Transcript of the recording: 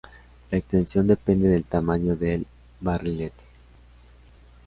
La extensión depende del tamaño del barrilete.